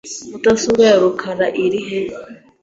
Mudasobwa ya rukara iri he?